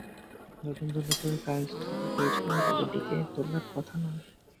যত জরুরি কাজই থাকুক, এই সময় তাঁকে ডেকে তোলার কথা নয়।